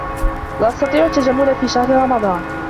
لا أستطيع التّجمّل في شهر رمضان.